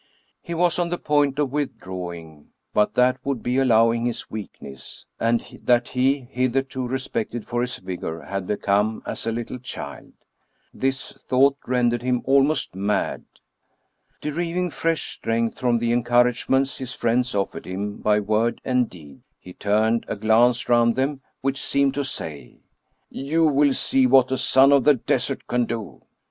He was on the point of withdrawing; but that would be allowing his weakness, and that he, hitherto respected for his vigor, had become as a little child. This thought ren dered him almost mad. Deriving fresh strength from the encouragements his friends offered him by word and deed, he turned a glance round them, which seemed to say :" You will see what a son of the desert can do."